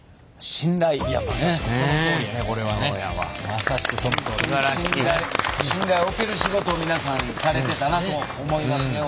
信頼信頼を置ける仕事を皆さんされてたなと思いますね。